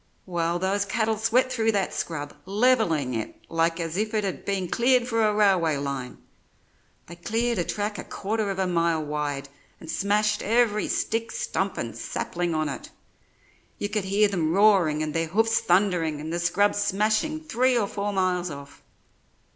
Well, those cattle swept through that scrub, levelling it like as if it had been cleared for a railway line. They cleared a track a quarter of a mile wide, and smashed every stick, stump and sapling on it. You could hear them roaring and their hoofs thundering and the scrub smashing three or four miles off.